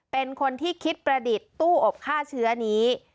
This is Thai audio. เป็นคนที่คิดประดิษฐ์ตู้อบฆ่าเชื้อนี้